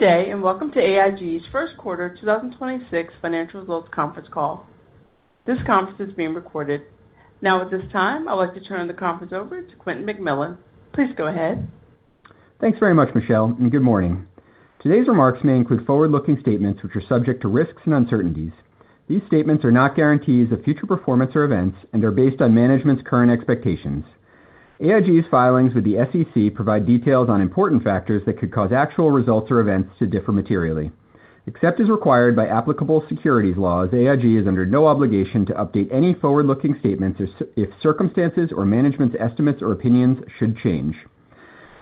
Good day, welcome to AIG's Q1 2026 financial results conference call. This conference is being recorded. At this time, I'd like to turn the conference over to Quentin McMillan. Please go ahead. Thanks very much, Michelle, and good morning. Today's remarks may include forward-looking statements, which are subject to risks and uncertainties. These statements are not guarantees of future performance or events and are based on management's current expectations. AIG's filings with the SEC provide details on important factors that could cause actual results or events to differ materially. Except as required by applicable securities laws, AIG is under no obligation to update any forward-looking statements if circumstances or management's estimates or opinions should change.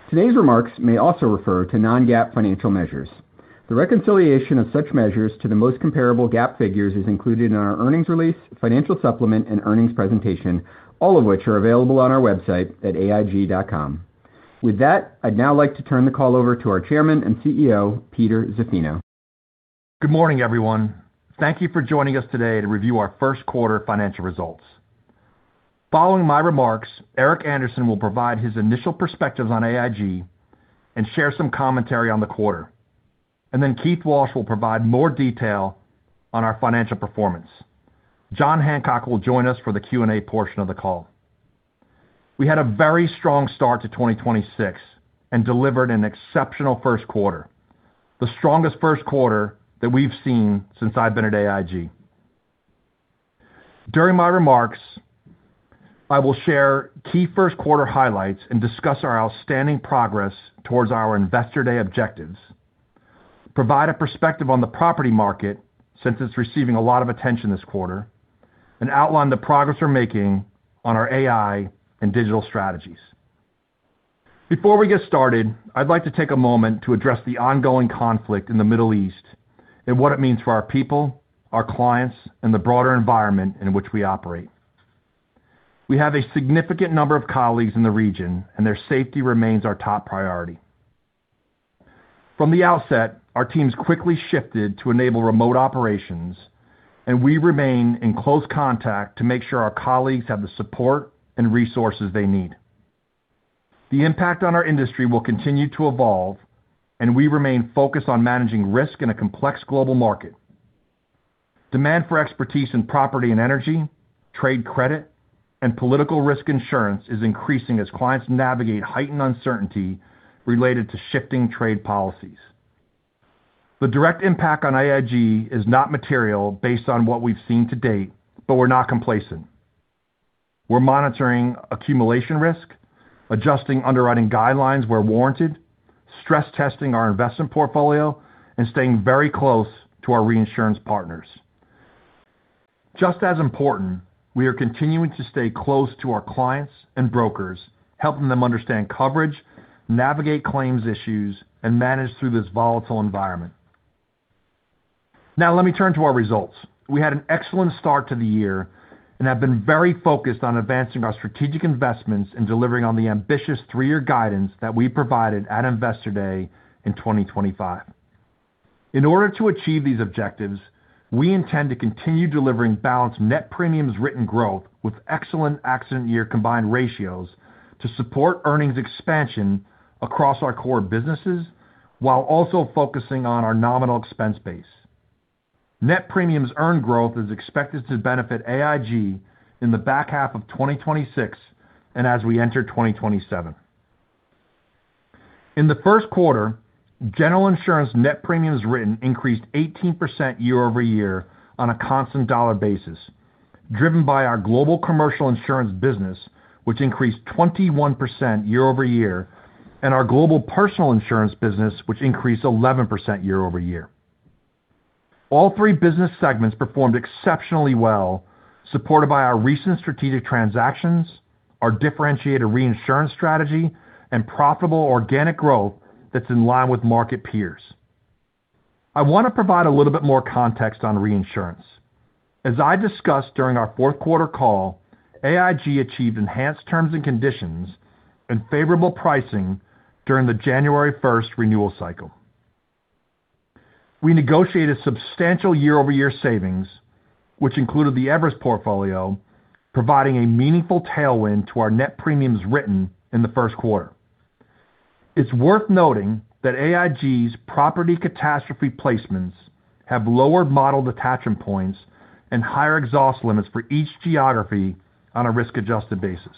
Today's remarks may also refer to non-GAAP financial measures. The reconciliation of such measures to the most comparable GAAP figures is included in our earnings release, financial supplement and earnings presentation, all of which are available on our website at aig.com. With that, I'd now like to turn the call over to our Chairman and CEO, Peter Zaffino. Good morning, everyone. Thank you for joining us today to review our Q1 financial results. Following my remarks, Eric Andersen will provide his initial perspectives on AIG and share some commentary on the quarter. Then Keith Walsh will provide more detail on our financial performance. Jon Hancock will join us for the Q&A portion of the call. We had a very strong start to 2026 and delivered an exceptional Q1, the strongest Q1 that we've seen since I've been at AIG. During my remarks, I will share key Q1 highlights and discuss our outstanding progress towards our Investor Day objectives, provide a perspective on the property market since it's receiving a lot of attention this quarter, and outline the progress we're making on our AI and digital strategies. Before we get started, I'd like to take a moment to address the ongoing conflict in the Middle East and what it means for our people, our clients, and the broader environment in which we operate. We have a significant number of colleagues in the region, and their safety remains our top priority. From the outset, our teams quickly shifted to enable remote operations, and we remain in close contact to make sure our colleagues have the support and resources they need. The impact on our industry will continue to evolve, and we remain focused on managing risk in a complex global market. Demand for expertise in property and energy, trade credit, and political risk insurance is increasing as clients navigate heightened uncertainty related to shifting trade policies. The direct impact on AIG is not material based on what we've seen to date, but we're not complacent. We're monitoring accumulation risk, adjusting underwriting guidelines where warranted, stress testing our investment portfolio and staying very close to our reinsurance partners. Just as important, we are continuing to stay close to our clients and brokers, helping them understand coverage, navigate claims issues, and manage through this volatile environment. Let me turn to our results. We had an excellent start to the year and have been very focused on advancing our strategic investments and delivering on the ambitious 3-year guidance that we provided at Investor Day in 2025. In order to achieve these objectives, we intend to continue delivering balanced net premiums written growth with excellent accident year combined ratios to support earnings expansion across our core businesses while also focusing on our nominal expense base. Net premiums earned growth is expected to benefit AIG in the back half of 2026 and as we enter 2027. In the Q1, General Insurance net premiums written increased 18% year-over-year on a constant dollar basis, driven by our global commercial insurance business, which increased 21% year-over-year, and our Global Personal Insurance business, which increased 11% year-over-year. All three business segments performed exceptionally well, supported by our recent strategic transactions, our differentiated reinsurance strategy, and profitable organic growth that's in line with market peers. I want to provide a little bit more context on reinsurance. As I discussed during our Q4 call, AIG achieved enhanced terms and conditions and favorable pricing during the January first renewal cycle. We negotiated substantial year-over-year savings, which included the Everest portfolio, providing a meaningful tailwind to our net premiums written in the Q1. It's worth noting that AIG's property catastrophe placements have lower modeled attachment points and higher exhaust limits for each geography on a risk-adjusted basis.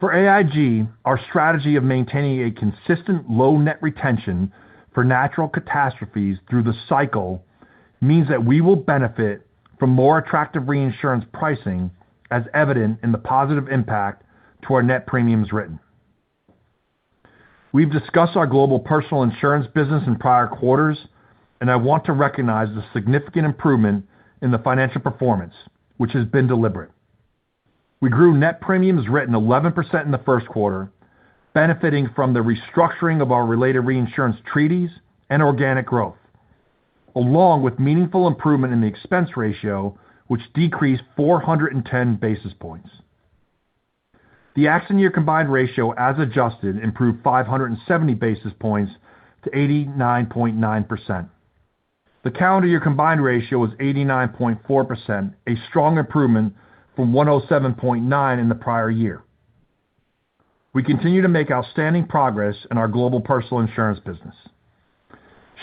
For AIG, our strategy of maintaining a consistent low net retention for natural catastrophes through the cycle means that we will benefit from more attractive reinsurance pricing as evident in the positive impact to our net premiums written. We've discussed our Global Personal Insurance business in prior quarters, and I want to recognize the significant improvement in the financial performance, which has been deliberate. We grew net premiums written 11% in the Q1, benefiting from the restructuring of our related reinsurance treaties and organic growth, along with meaningful improvement in the expense ratio, which decreased 410-basis points. The accident year combined ratio as adjusted improved 570-basis points to 89.9%. The calendar year combined ratio was 89.4%, a strong improvement from 107.9 in the prior year. We continue to make outstanding progress in our Global Personal Insurance business.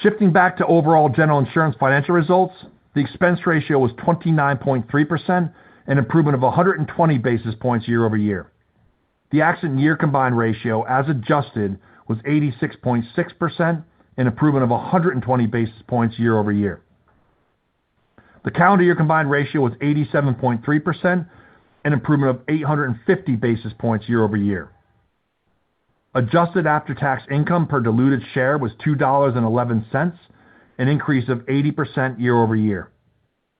Shifting back to overall General Insurance financial results, the expense ratio was 29.3%, an improvement of 120-basis points year-over-year. The accident year combined ratio as adjusted was 86.6%, an improvement of 120-basis points year-over-year. The calendar year combined ratio was 87.3%, an improvement of 850-basis points year-over-year. Adjusted after-tax income per diluted share was $2.11, an increase of 80% year-over-year.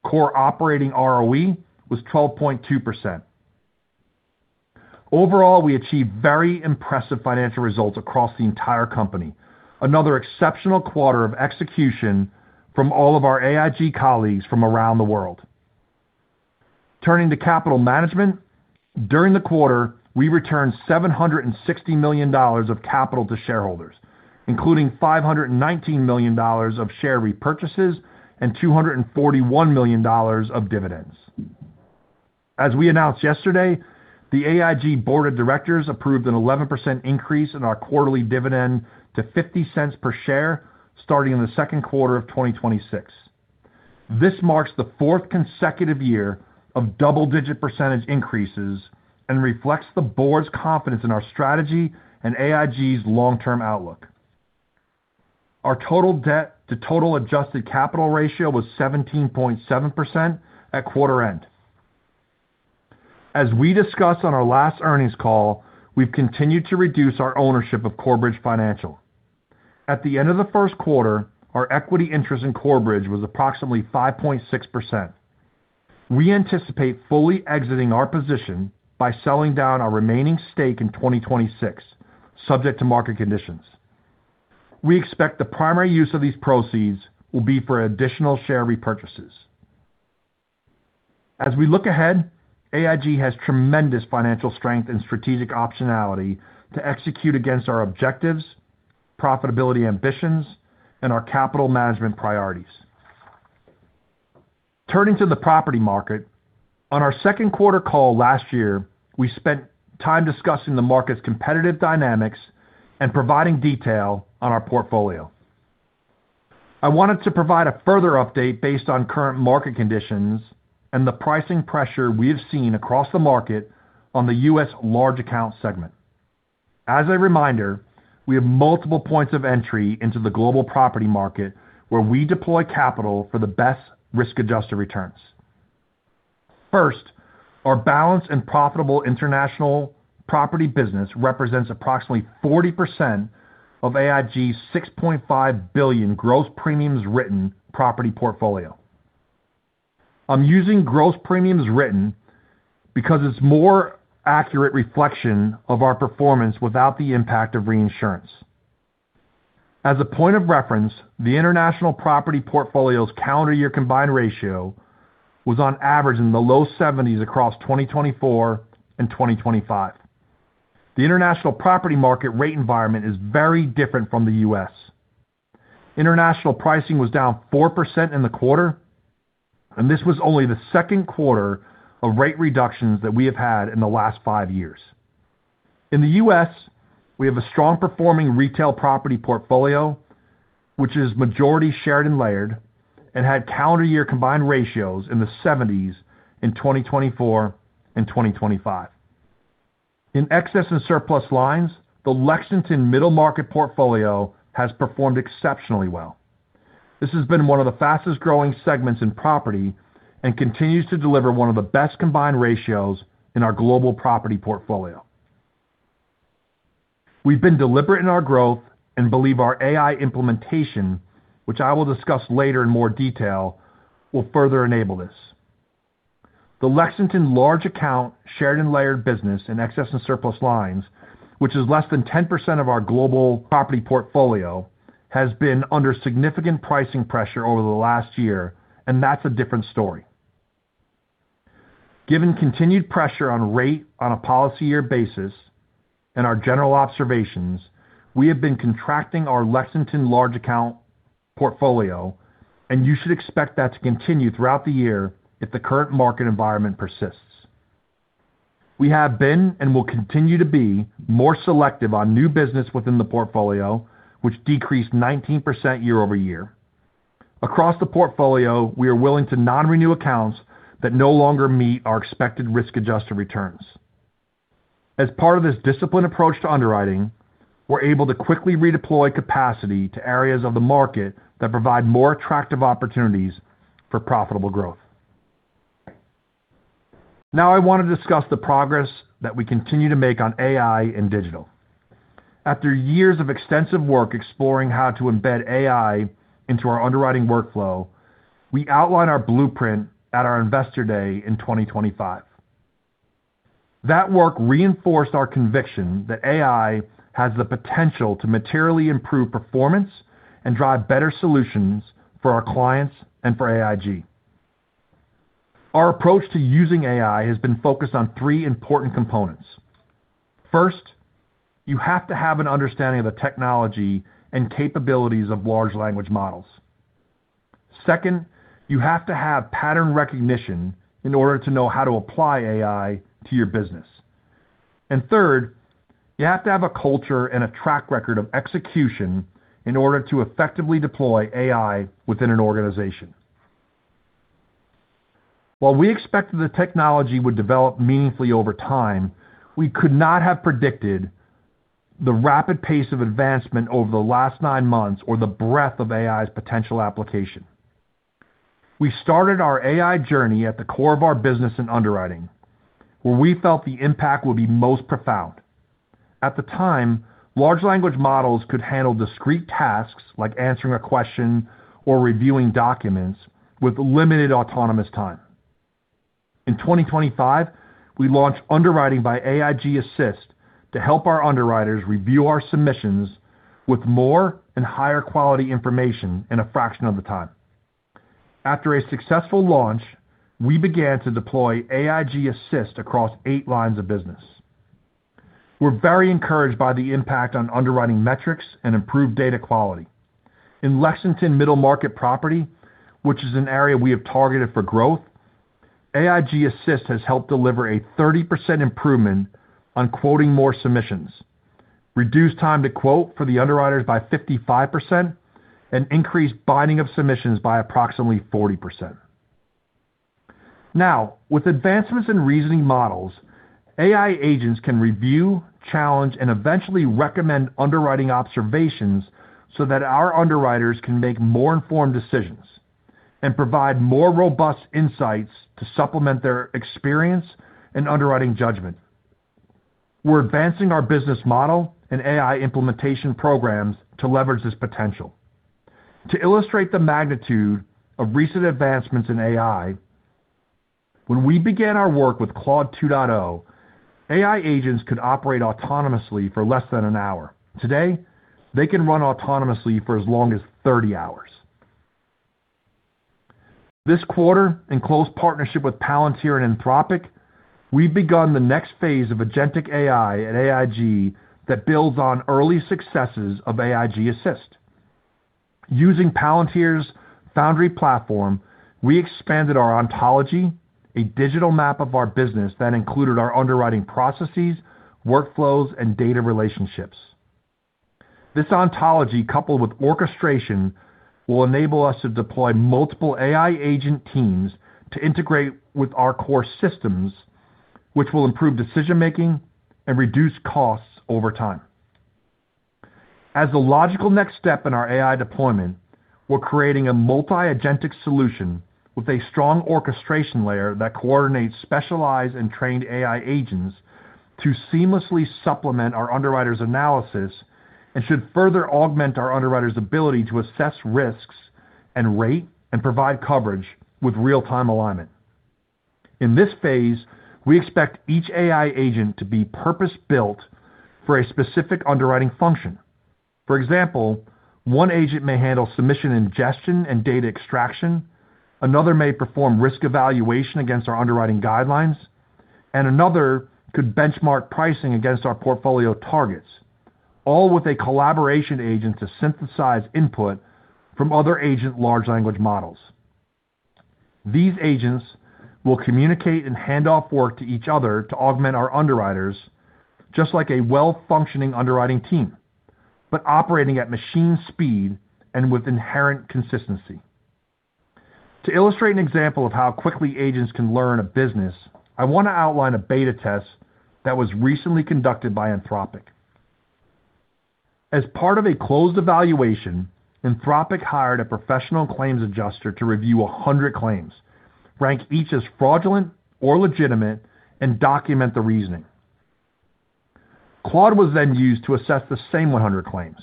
Core Operating ROE was 12.2%. Overall, we achieved very impressive financial results across the entire company. Another exceptional quarter of execution from all of our AIG colleagues from around the world. Turning to capital management, during the quarter, we returned $760 million of capital to shareholders, including $519 million of share repurchases and $241 million of dividends. As we announced yesterday, the AIG Board of Directors approved an 11% increase in our quarterly dividend to $0.50 per share starting in the Q2 of 2026. This marks the fourth consecutive year of double-digit percentage increases and reflects the board's confidence in our strategy and AIG's long-term outlook. Our total debt to total adjusted capital ratio was 17.7% at quarter end. As we discussed on our last earnings call, we've continued to reduce our ownership of Corebridge Financial. At the end of the Q1, our equity interest in Corebridge was approximately 5.6%. We anticipate fully exiting our position by selling down our remaining stake in 2026, subject to market conditions. We expect the primary use of these proceeds will be for additional share repurchases. As we look ahead, AIG has tremendous financial strength and strategic optionality to execute against our objectives, profitability ambitions, and our capital management priorities. Turning to the property market, on our Q2 call last year, we spent time discussing the market's competitive dynamics and providing detail on our portfolio. I wanted to provide a further update based on current market conditions and the pricing pressure we have seen across the market on the U.S. large account segment. As a reminder, we have multiple points of entry into the global property market where we deploy capital for the best risk-adjusted returns. First, our balanced and profitable international property business represents approximately 40% of AIG's $6.5 billion gross premiums written property portfolio. I'm using gross premiums written because it's more accurate reflection of our performance without the impact of reinsurance. As a point of reference, the international property portfolio's calendar year combined ratio was on average in the low 70s across 2024 and 2025. The international property market rate environment is very different from the U.S. International pricing was down 4% in the quarter, and this was only the Q2 of rate reductions that we have had in the last five years. In the U.S., we have a strong performing retail property portfolio, which is majority shared and layered and had calendar year combined ratios in the 70s in 2024 and 2025. In excess and surplus lines, the Lexington middle market portfolio has performed exceptionally well. This has been one of the fastest-growing segments in property and continues to deliver one of the best combined ratios in our global property portfolio. We've been deliberate in our growth and believe our AI implementation, which I will discuss later in more detail, will further enable this. The Lexington large account shared and layered business in excess and surplus lines, which is less than 10% of our global property portfolio, has been under significant pricing pressure over the last year, and that's a different story. Given continued pressure on rate on a policy year basis and our general observations, we have been contracting our Lexington large account portfolio, and you should expect that to continue throughout the year if the current market environment persists. We have been and will continue to be more selective on new business within the portfolio, which decreased 19% year-over-year. Across the portfolio, we are willing to non-renew accounts that no longer meet our expected risk-adjusted returns. As part of this disciplined approach to underwriting, we are able to quickly redeploy capacity to areas of the market that provide more attractive opportunities for profitable growth. Now I want to discuss the progress that we continue to make on AI and digital. After years of extensive work exploring how to embed AI into our underwriting workflow, we outlined our blueprint at our Investor Day in 2025. That work reinforced our conviction that AI has the potential to materially improve performance and drive better solutions for our clients and for AIG. Our approach to using AI has been focused on three important components. First, you have to have an understanding of the technology and capabilities of large language models. Second, you have to have pattern recognition in order to know how to apply AI to your business. Third, you have to have a culture and a track record of execution in order to effectively deploy AI within an organization. While we expected the technology would develop meaningfully over time, we could not have predicted the rapid pace of advancement over the last nine months or the breadth of AI's potential application. We started our AI journey at the core of our business in underwriting, where we felt the impact would be most profound. At the time, large language models could handle discrete tasks like answering a question or reviewing documents with limited autonomous time. In 2025, we launched Underwriting by AIG Assist to help our underwriters review our submissions with more and higher quality information in a fraction of the time. After a successful launch, we began to deploy AIG Assist across eight lines of business. We're very encouraged by the impact on underwriting metrics and improved data quality. In Lexington middle market property, which is an area we have targeted for growth, AIG Assist has helped deliver a 30% improvement on quoting more submissions, reduced time to quote for the underwriters by 55%, and increased binding of submissions by approximately 40%. Now, with advancements in reasoning models, AI agents can review, challenge, and eventually recommend underwriting observations so that our underwriters can make more informed decisions and provide more robust insights to supplement their experience and underwriting judgment. We're advancing our business model and AI implementation programs to leverage this potential. To illustrate the magnitude of recent advancements in AI, when we began our work with Claude 2.0, AI agents could operate autonomously for less than one hour. Today, they can run autonomously for as long as 30 hours. This quarter, in close partnership with Palantir and Anthropic, we've begun the next phase of agentic AI at AIG that builds on early successes of AIG Assist. Using Palantir's Foundry platform, we expanded our ontology, a digital map of our business that included our underwriting processes, workflows, and data relationships. This ontology, coupled with orchestration, will enable us to deploy multiple AI agent teams to integrate with our core systems, which will improve decision-making and reduce costs over time. As the logical next step in our AI deployment, we're creating a multi-agentic solution with a strong orchestration layer that coordinates specialized and trained AI agents to seamlessly supplement our underwriters' analysis and should further augment our underwriters' ability to assess risks and rate and provide coverage with real-time alignment. In this phase, we expect each AI agent to be purpose-built for a specific underwriting function. For example, one agent may handle submission ingestion and data extraction, another may perform risk evaluation against our underwriting guidelines, and another could benchmark pricing against our portfolio targets, all with a collaboration agent to synthesize input from other agent large language models. These agents will communicate and hand off work to each other to augment our underwriters just like a well-functioning underwriting team, but operating at machine speed and with inherent consistency. To illustrate an example of how quickly agents can learn a business, I want to outline a beta test that was recently conducted by Anthropic. As part of a closed evaluation, Anthropic hired a professional claims adjuster to review 100 claims, rank each as fraudulent or legitimate, and document the reasoning. Claude was used to assess the same 100 claims.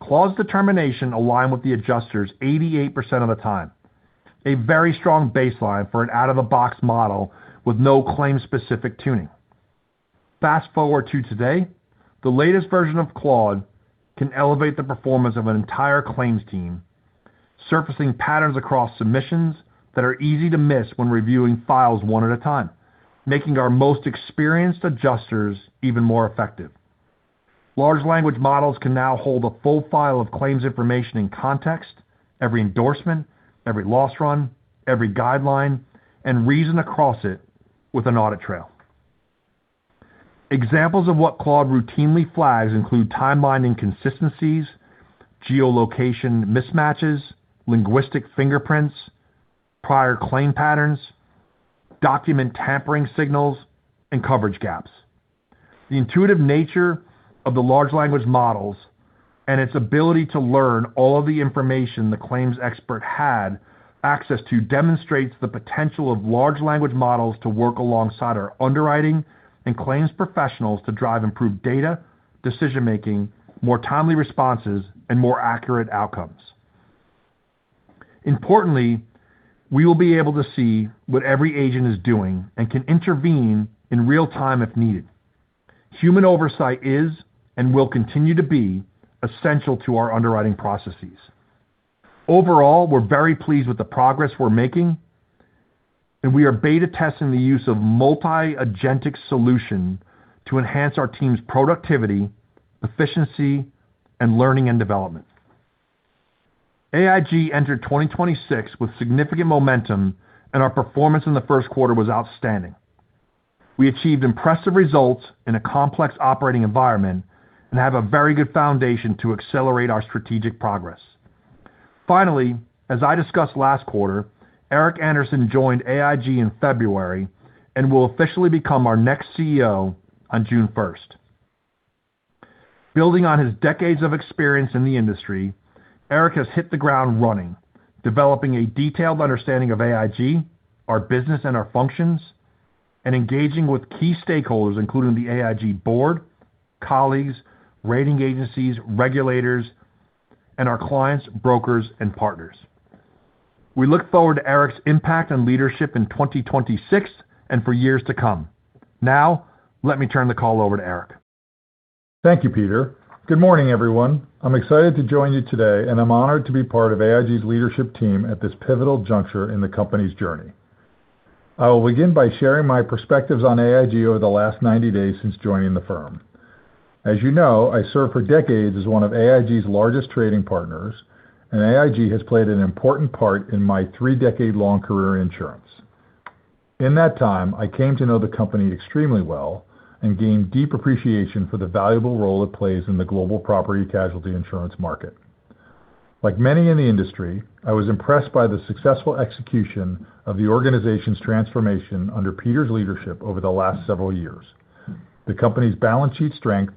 Claude's determination aligned with the adjuster's 88% of the time, a very strong baseline for an out-of-the-box model with no claim-specific tuning. Fast-forward to today, the latest version of Claude can elevate the performance of an entire claims team, surfacing patterns across submissions that are easy to miss when reviewing files one at a time, making our most experienced adjusters even more effective. Large language models can now hold a full file of claims information in context, every endorsement, every loss run, every guideline, and reason across it with an audit trail. Examples of what Claude routinely flags include timeline inconsistencies, geolocation mismatches, linguistic fingerprints, prior claim patterns, document tampering signals, and coverage gaps. The intuitive nature of the large language models and its ability to learn all of the information the claims expert had access to demonstrates the potential of large language models to work alongside our underwriting and claims professionals to drive improved data, decision-making, more timely responses, and more accurate outcomes. Importantly, we will be able to see what every agent is doing and can intervene in real time if needed. Human oversight is and will continue to be essential to our underwriting processes. Overall, we're very pleased with the progress we're making, and we are beta testing the use of multi-agentic solution to enhance our team's productivity, efficiency, and learning and development. AIG entered 2026 with significant momentum, and our performance in the Q1 was outstanding. We achieved impressive results in a complex operating environment and have a very good foundation to accelerate our strategic progress. Finally, as I discussed last quarter, Eric Andersen joined AIG in February and will officially become our next CEO on June first. Building on his decades of experience in the industry, Eric has hit the ground running, developing a detailed understanding of AIG, our business and our functions, and engaging with key stakeholders, including the AIG board, colleagues, rating agencies, regulators, and our clients, brokers, and partners. We look forward to Eric's impact on leadership in 2026 and for years to come. Let me turn the call over to Eric. Thank you, Peter. Good morning, everyone. I'm excited to join you today, and I'm honored to be part of AIG's leadership team at this pivotal juncture in the company's journey. I will begin by sharing my perspectives on AIG over the last 90 days since joining the firm. As you know, I served for decades as one of AIG's largest trading partners, and AIG has played an important part in my three-decade-long career in insurance. In that time, I came to know the company extremely well and gained deep appreciation for the valuable role it plays in the global property casualty insurance market. Like many in the industry, I was impressed by the successful execution of the organization's transformation under Peter's leadership over the last several years. The company's balance sheet strength,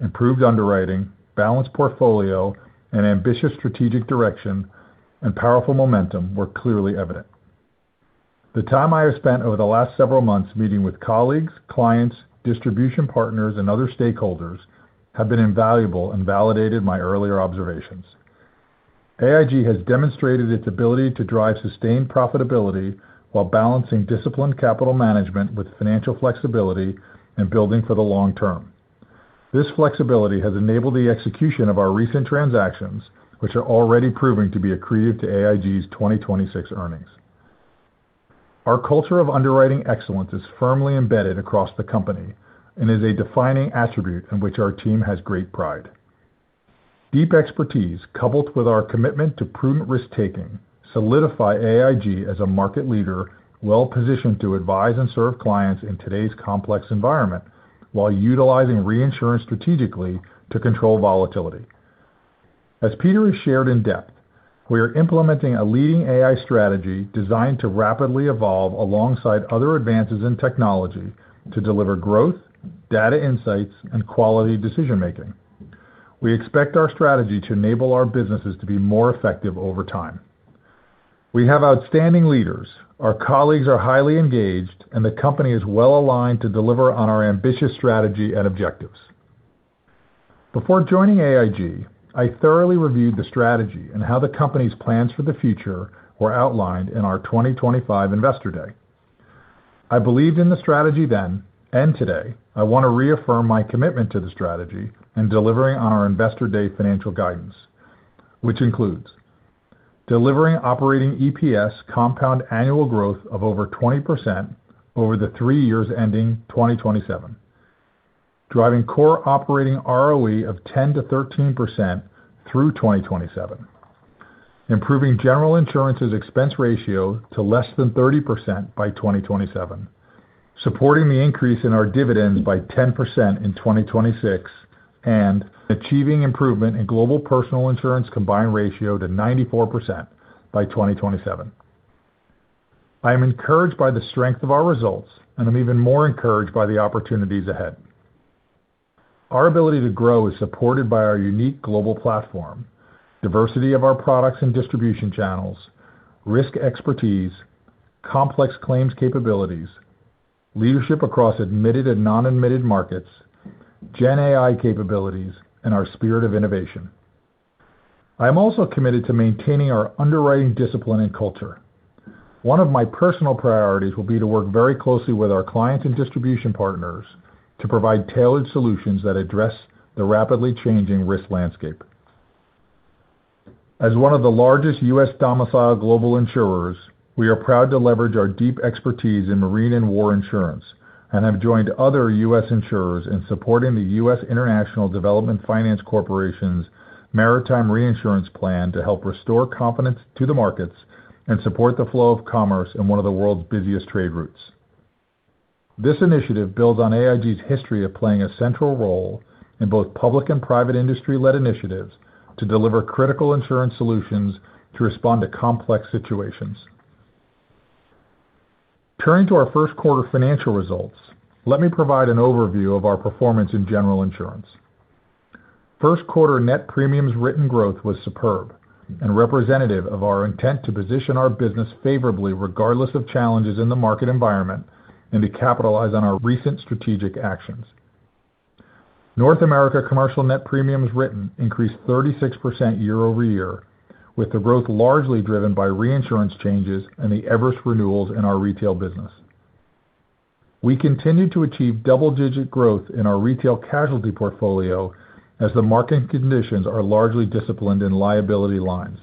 improved underwriting, balanced portfolio, and ambitious strategic direction, and powerful momentum were clearly evident. The time I have spent over the last several months meeting with colleagues, clients, distribution partners, and other stakeholders have been invaluable and validated my earlier observations. AIG has demonstrated its ability to drive sustained profitability while balancing disciplined capital management with financial flexibility and building for the long term. This flexibility has enabled the execution of our recent transactions, which are already proving to be accretive to AIG's 2026 earnings. Our culture of underwriting excellence is firmly embedded across the company and is a defining attribute in which our team has great pride. Deep expertise, coupled with our commitment to prudent risk-taking, solidify AIG as a market leader well-positioned to advise and serve clients in today's complex environment while utilizing reinsurance strategically to control volatility. As Peter has shared in depth, we are implementing a leading AI strategy designed to rapidly evolve alongside other advances in technology to deliver growth, data insights, and quality decision-making. We expect our strategy to enable our businesses to be more effective over time. We have outstanding leaders. Our colleagues are highly engaged, and the company is well-aligned to deliver on our ambitious strategy and objectives. Before joining AIG, I thoroughly reviewed the strategy and how the company's plans for the future were outlined in our 2025 Investor Day. I believed in the strategy then. Today I want to reaffirm my commitment to the strategy and delivering on our Investor Day financial guidance, which includes delivering Operating EPS compound annual growth of over 20% over the three years ending 2027, driving Core Operating ROE of 10%-13% through 2027, improving General Insurance's expense ratio to less than 30% by 2027, supporting the increase in our dividend by 10% in 2026, and achieving improvement in Global Personal Insurance combined ratio to 94% by 2027. I am encouraged by the strength of our results. I'm even more encouraged by the opportunities ahead. Our ability to grow is supported by our unique global platform, diversity of our products and distribution channels, risk expertise, complex claims capabilities, leadership across admitted and non-admitted markets, GenAI capabilities, and our spirit of innovation. I am also committed to maintaining our underwriting discipline and culture. One of my personal priorities will be to work very closely with our clients and distribution partners to provide tailored solutions that address the rapidly changing risk landscape. As one of the largest U.S.-domiciled global insurers, we are proud to leverage our deep expertise in marine and war insurance and have joined other U.S. insurers in supporting the U.S. International Development Finance Corporation's maritime reinsurance plan to help restore confidence to the markets and support the flow of commerce in one of the world's busiest trade routes. This initiative builds on AIG's history of playing a central role in both public and private industry-led initiatives to deliver critical insurance solutions to respond to complex situations. Turning to our Q1 financial results, let me provide an overview of our performance in General Insurance. Q1 net premiums written growth was superb and representative of our intent to position our business favorably regardless of challenges in the market environment and to capitalize on our recent strategic actions. North America Commercial net premiums written increased 36% year over year, with the growth largely driven by reinsurance changes and the Everest renewals in our retail business. We continued to achieve double-digit growth in our retail casualty portfolio as the market conditions are largely disciplined in liability lines.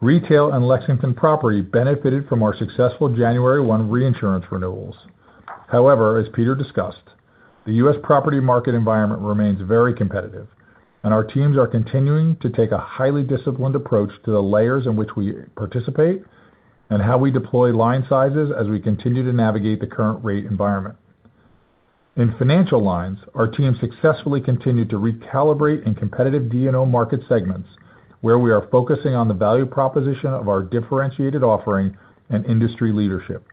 Retail and Lexington Property benefited from our successful January 1st reinsurance renewals. As Peter discussed, the U.S. property market environment remains very competitive, and our teams are continuing to take a highly disciplined approach to the layers in which we participate and how we deploy line sizes as we continue to navigate the current rate environment. In Financial Lines, our team successfully continued to recalibrate in competitive D&O market segments, where we are focusing on the value proposition of our differentiated offering and industry leadership.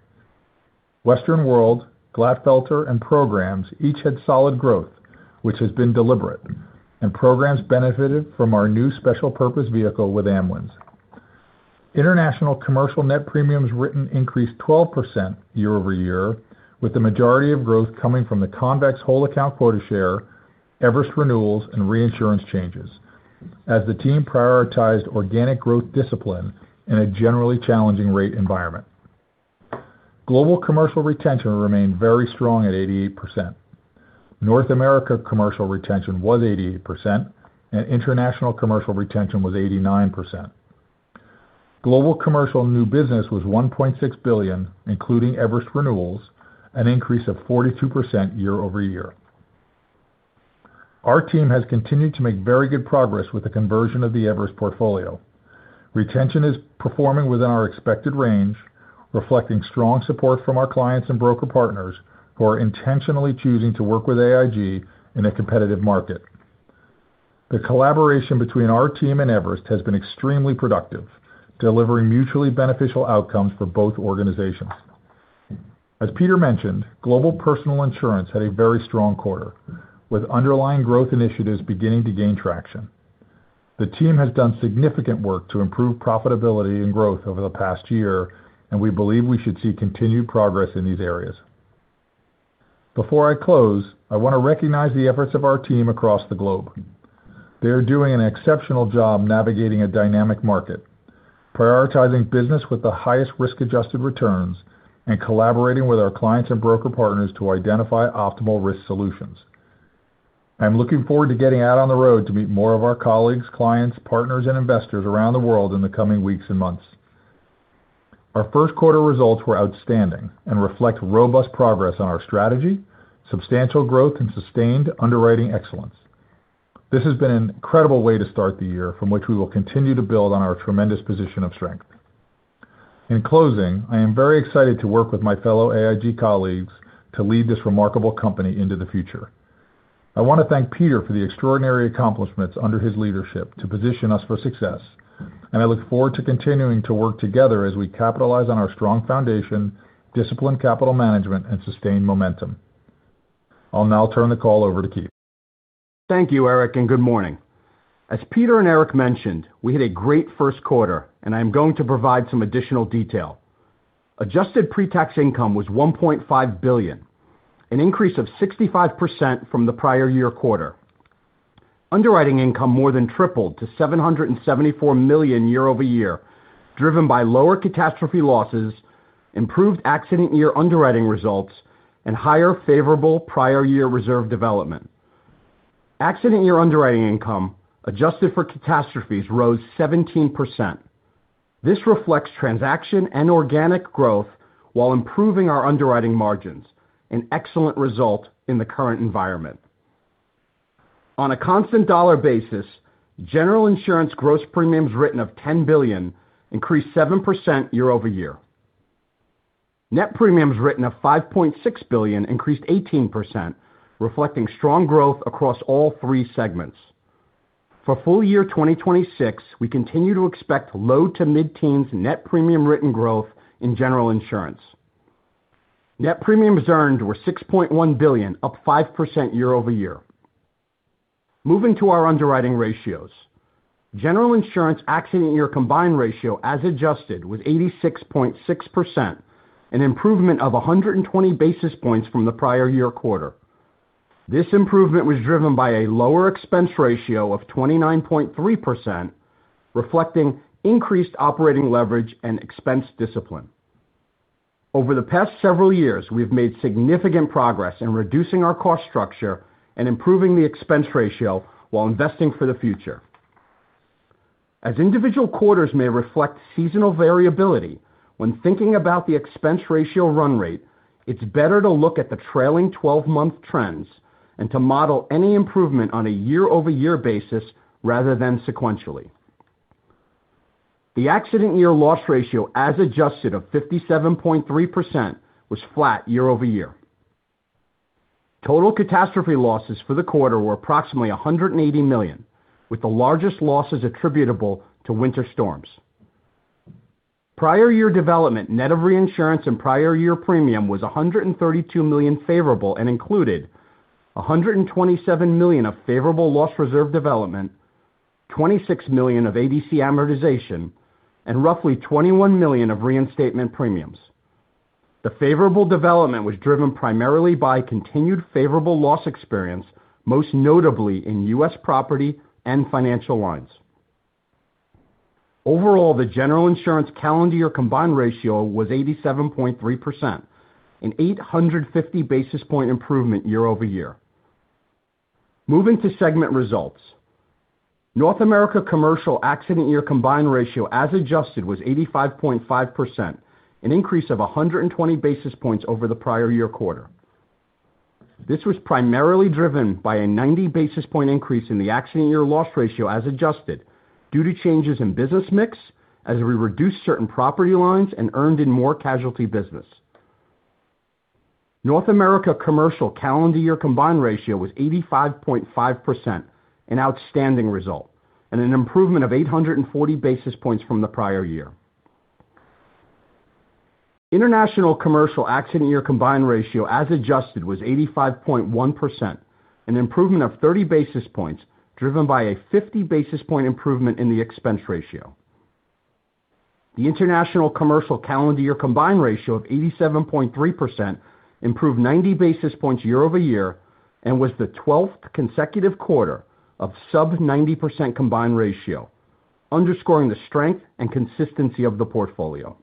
Western World, Glatfelter, and Programs each had solid growth, which has been deliberate, and Programs benefited from our new special purpose vehicle with Amwins. International Commercial net premiums written increased 12% year over year, with the majority of growth coming from the Convex whole account quota share, Everest renewals, and reinsurance changes, as the team prioritized organic growth discipline in a generally challenging rate environment. Global Commercial retention remained very strong at 88%. North America Commercial retention was 88%, and International Commercial retention was 89%. Global Commercial new business was $1.6 billion, including Everest renewals, an increase of 42% year over year. Our team has continued to make very good progress with the conversion of the Everest portfolio. Retention is performing within our expected range, reflecting strong support from our clients and broker partners who are intentionally choosing to work with AIG in a competitive market. The collaboration between our team and Everest has been extremely productive, delivering mutually beneficial outcomes for both organizations. As Peter mentioned, Global Personal Insurance had a very strong quarter, with underlying growth initiatives beginning to gain traction. The team has done significant work to improve profitability and growth over the past year, and we believe we should see continued progress in these areas. Before I close, I want to recognize the efforts of our team across the globe. They are doing an exceptional job navigating a dynamic market, prioritizing business with the highest risk-adjusted returns, and collaborating with our clients and broker partners to identify optimal risk solutions. I am looking forward to getting out on the road to meet more of my colleagues, clients, partners, and investors around the world in the coming weeks and months. Our Q1 results were outstanding and reflect robust progress on our strategy, substantial growth, and sustained underwriting excellence. This has been an incredible way to start the year from which we will continue to build on our tremendous position of strength. In closing, I am very excited to work with my fellow AIG colleagues to lead this remarkable company into the future. I want to thank Peter for the extraordinary accomplishments under his leadership to position us for success. I look forward to continuing to work together as we capitalize on our strong foundation, disciplined capital management, and sustained momentum. I'll now turn the call over to Keith. Thank you, Eric. Good morning. As Peter and Eric mentioned, we had a great Q1. I am going to provide some additional detail. Adjusted pretax income was $1.5 billion, an increase of 65% from the prior year quarter. Underwriting income more than tripled to $774 million year-over-year, driven by lower catastrophe losses, improved accident year underwriting results, higher favorable prior year reserve development. Accident year underwriting income, adjusted for catastrophes, rose 17%. This reflects transaction and organic growth while improving our underwriting margins, an excellent result in the current environment. On a constant dollar basis, General Insurance gross premiums written of $10 billion increased 7% year-over-year. Net premiums written of $5.6 billion increased 18%, reflecting strong growth across all three segments. For full year 2026, we continue to expect low to mid-teens net premium written growth in General Insurance. Net premiums earned were $6.1 billion, up 5% year-over-year. Moving to our underwriting ratios. General Insurance accident year combined ratio as adjusted was 86.6%, an improvement of 120-basis points from the prior year quarter. This improvement was driven by a lower expense ratio of 29.3%, reflecting increased operating leverage and expense discipline. Over the past several years, we have made significant progress in reducing our cost structure and improving the expense ratio while investing for the future. As individual quarters may reflect seasonal variability when thinking about the expense ratio run rate, it's better to look at the trailing 12-month trends and to model any improvement on a year-over-year basis rather than sequentially. The accident year loss ratio as adjusted of 57.3% was flat year-over-year. Total catastrophe losses for the quarter were approximately $180 million, with the largest losses attributable to winter storms. Prior year development, net of reinsurance and prior year premium, was $132 million favorable and included $127 million of favorable loss reserve development, $26 million of ADC amortization, and roughly $21 million of reinstatement premiums. The favorable development was driven primarily by continued favorable loss experience, most notably in U.S. property and Financial Lines. Overall, the General Insurance calendar year combined ratio was 87.3%, an 850-basis point improvement year-over-year. Moving to segment results. North America Commercial accident year combined ratio as adjusted was 85.5%, an increase of 120-basis points over the prior year quarter. This was primarily driven by a 90-basis point increase in the accident year loss ratio as adjusted due to changes in business mix as we reduced certain property lines and earned in more casualty business. North America Commercial calendar year combined ratio was 85.5%, an outstanding result and an improvement of 840-basis points from the prior year. International Commercial accident year combined ratio as adjusted was 85.1%, an improvement of 30-basis points driven by a 50-basis point improvement in the expense ratio. The International Commercial calendar year combined ratio of 87.3% improved 90-basis points year-over-year and was the 12th consecutive quarter of sub 90% combined ratio, underscoring the strength and consistency of the portfolio.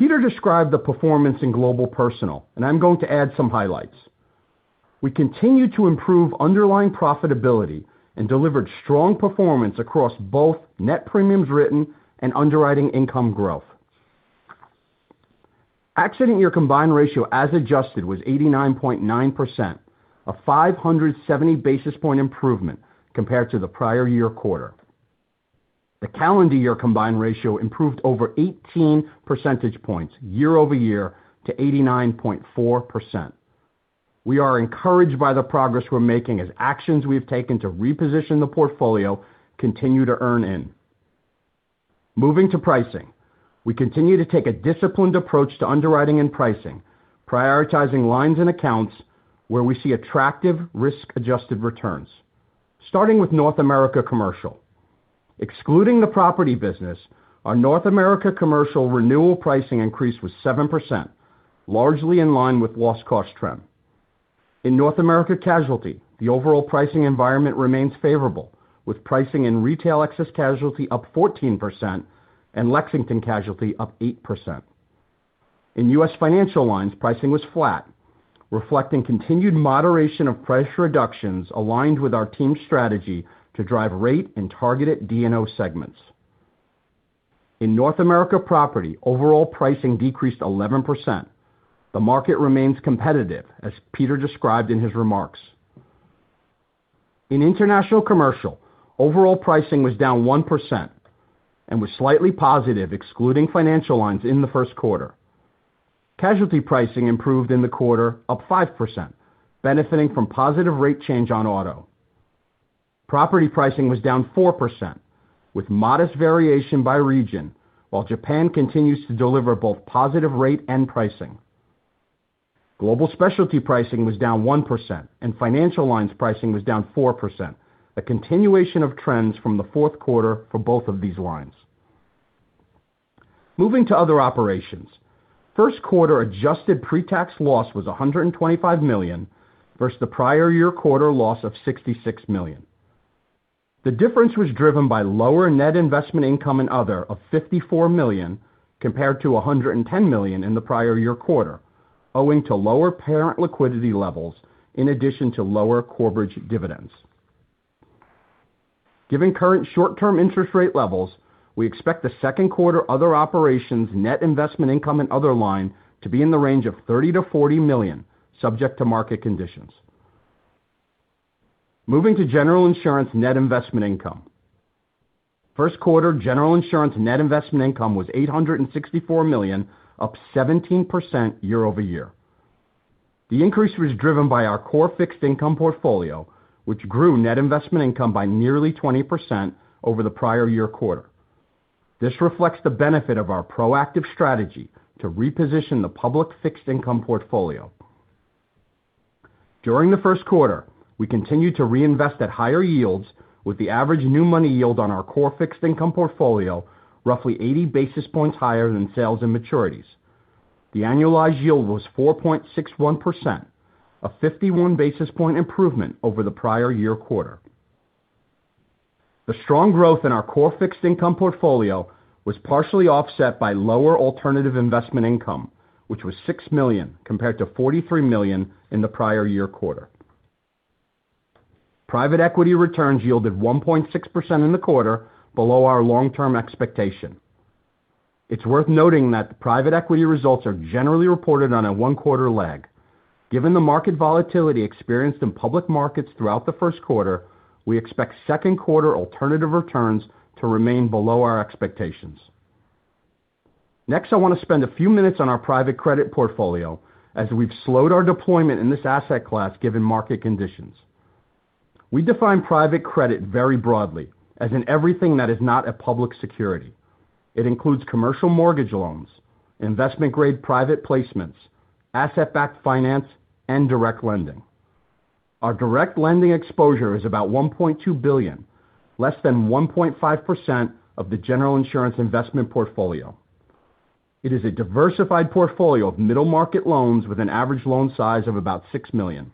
Peter described the performance in Global Personal. I'm going to add some highlights. We continued to improve underlying profitability and delivered strong performance across both net premiums written and underwriting income growth. Accident year combined ratio as adjusted was 89.9%, a 570-basis point improvement compared to the prior year quarter. The calendar year combined ratio improved over 18 percentage points year-over-year to 89.4%. We are encouraged by the progress we're making as actions we've taken to reposition the portfolio continue to earn in. Moving to pricing. We continue to take a disciplined approach to underwriting and pricing, prioritizing lines and accounts where we see attractive risk-adjusted returns. Starting with North America Commercial. Excluding the property business, our North America Commercial renewal pricing increase was 7%, largely in line with loss cost trend. In North America Casualty, the overall pricing environment remains favorable, with pricing in Retail Excess Casualty up 14% and Lexington Casualty up 8%. In U.S. Financial Lines, pricing was flat, reflecting continued moderation of price reductions aligned with our team's strategy to drive rate in targeted D&O segments. In North America Property, overall pricing decreased 11%. The market remains competitive, as Peter described in his remarks. In International Commercial, overall pricing was down 1% and was slightly positive excluding financial lines in the Q1. Casualty pricing improved in the quarter, up 5%, benefiting from positive rate change on auto. Property pricing was down 4%, with modest variation by region, while Japan continues to deliver both positive rate and pricing. Global Specialty pricing was down 1% and Financial Lines pricing was down 4%, a continuation of trends from the Q4 for both of these lines. Moving to other operations. Q1 adjusted pre-tax loss was $125 million versus the prior year quarter loss of $66 million. The difference was driven by lower net investment income and other of $54 million compared to $110 million in the prior year quarter, owing to lower parent liquidity levels in addition to lower Corebridge dividends. Given current short-term interest rate levels, we expect the Q2 other operations net investment income and other line to be in the range of $30-$40 million, subject to market conditions. Moving to General Insurance net investment income. Q1 General Insurance net investment income was $864 million, up 17% year-over-year. The increase was driven by our core fixed income portfolio, which grew net investment income by nearly 20% over the prior-year quarter. This reflects the benefit of our proactive strategy to reposition the public fixed income portfolio. During the Q1, we continued to reinvest at higher yields with the average new money yield on our core fixed income portfolio roughly 80 basis points higher than sales and maturities. The annualized yield was 4.61%, a 51-basis point improvement over the prior-year quarter. The strong growth in our core fixed income portfolio was partially offset by lower alternative investment income, which was $6 million compared to $43 million in the prior year quarter. Private equity returns yielded 1.6% in the quarter below our long-term expectation. It's worth noting that the private equity results are generally reported on a one-quarter lag. Given the market volatility experienced in public markets throughout the Q1, we expect Q2 alternative returns to remain below our expectations. I want to spend a few minutes on our private credit portfolio as we've slowed our deployment in this asset class given market conditions. We define private credit very broadly, as in everything that is not a public security. It includes commercial mortgage loans, investment-grade private placements, asset-backed finance, and direct lending. Our direct lending exposure is about $1.2 billion, less than 1.5% of the General Insurance investment portfolio. It is a diversified portfolio of middle market loans with an average loan size of about $6 million.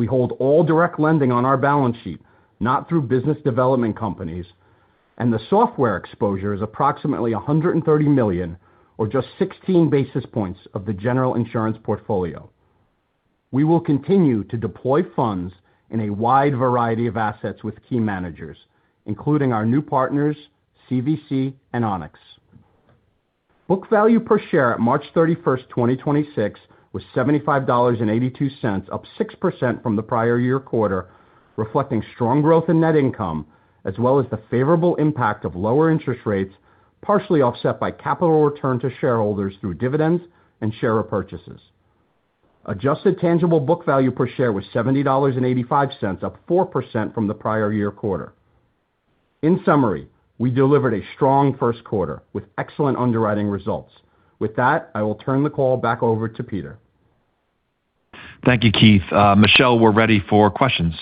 We hold all direct lending on our balance sheet, not through business development companies, and the software exposure is approximately $130 million or just 16-basis points of the General Insurance portfolio. We will continue to deploy funds in a wide variety of assets with key managers, including our new partners, CVC and Onex. Book value per share at March 31st, 2026 was $75.82, up 6% from the prior year quarter, reflecting strong growth in net income as well as the favorable impact of lower interest rates, partially offset by capital return to shareholders through dividends and share repurchases. Adjusted tangible book value per share was $70.85, up 4% from the prior year quarter. In summary, we delivered a strong Q1 with excellent underwriting results. With that, I will turn the call back over to Peter. Thank you, Keith. Michelle, we're ready for questions.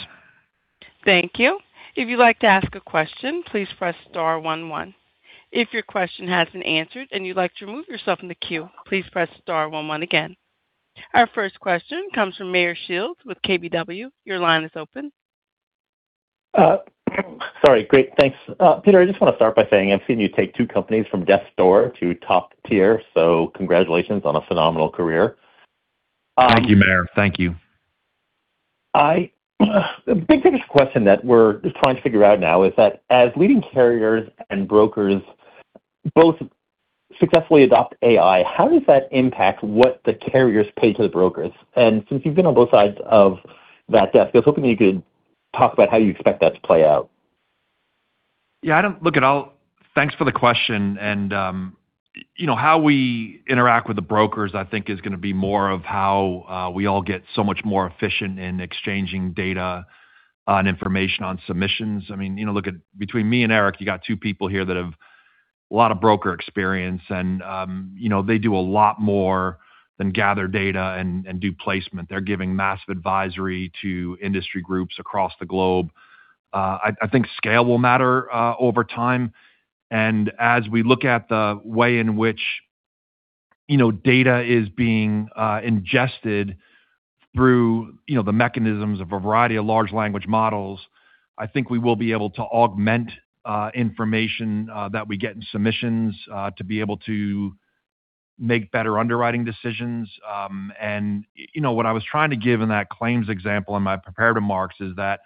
Thank you. If you'd like to ask a question, please press star one, one. If your question has been answered and you'd like to remove yourself from the queue, please press star one, one again. Our first question comes from Meyer Shields with KBW. Your line is open. Sorry. Great, thanks. Peter, I just want to start by saying I've seen you take two companies from death's door to top tier. Congratulations on a phenomenal career. Thank you, Meyer. Thank you. The big picture question that we're just trying to figure out now is that as leading carriers and brokers both successfully adopt AI, how does that impact what the carriers pay to the brokers? Since you've been on both sides of that desk, I was hoping you could talk about how you expect that to play out. Thanks for the question, you know, how we interact with the brokers, I think is going to be more of how we all get so much more efficient in exchanging data on information on submissions. I mean, you know, look at between me and Eric Andersen, you got two people here that have a lot of broker experience, you know, they do a lot more than gather data and do placement. They're giving massive advisory to industry groups across the globe. I think scale will matter over time. As we look at the way in which, you know, data is being ingested through, you know, the mechanisms of a variety of large language models, I think we will be able to augment information that we get in submissions to be able to make better underwriting decisions. You know, what I was trying to give in that claims example in my prepared remarks is that,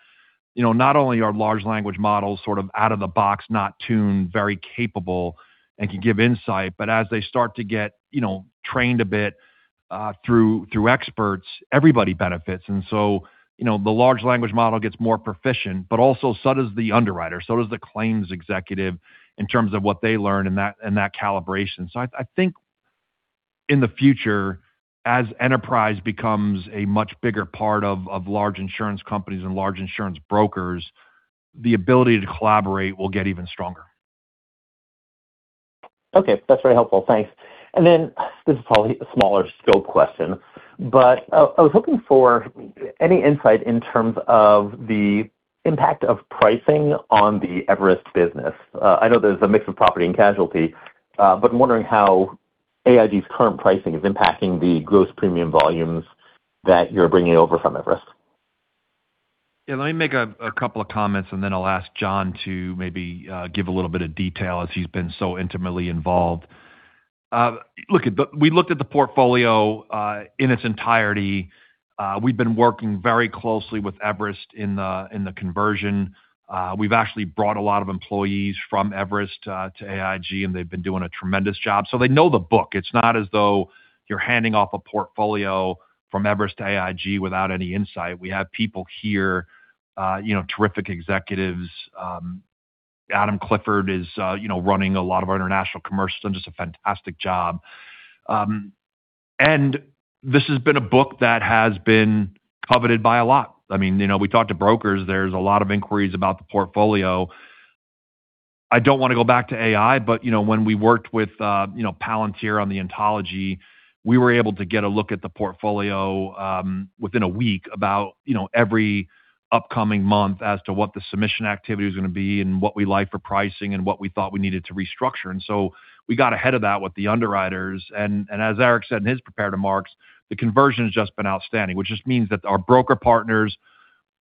you know, not only are large language models sort of out of the box, not tuned, very capable and can give insight, but as they start to get, you know, trained a bit through experts, everybody benefits. You know, the large language model gets more proficient, but also so does the underwriter, so does the claims executive in terms of what they learn in that, in that calibration. I think in the future, as enterprise becomes a much bigger part of large insurance companies and large insurance brokers, the ability to collaborate will get even stronger. Okay. That's very helpful. Thanks. Then this is probably a smaller scope question, but I was looking for any insight in terms of the impact of pricing on the Everest business. I know there's a mix of property and casualty, but I'm wondering how AIG's current pricing is impacting the gross premium volumes that you're bringing over from Everest. Yeah, let me make a couple of comments, and then I'll ask Jon to maybe give a little bit of detail as he's been so intimately involved. Look, we looked at the portfolio in its entirety. We've been working very closely with Everest in the conversion. We've actually brought a lot of employees from Everest to AIG, and they've been doing a tremendous job. They know the book. It's not as though you're handing off a portfolio from Everest to AIG without any insight. We have people here, you know, terrific executives. Adam Clifford is, you know, running a lot of our International Commercial, doing just a fantastic job. This has been a book that has been coveted by a lot. I mean, you know, we talked to brokers. There's a lot of inquiries about the portfolio. I don't want to go back to AI, but, you know, when we worked with, you know, Palantir on the ontology, we were able to get a look at the portfolio, within one week about, you know, every upcoming month as to what the submission activity was going to be and what we like for pricing and what we thought we needed to restructure. So, we got ahead of that with the underwriters. As Eric said in his prepared remarks, the conversion has just been outstanding, which just means that our broker partners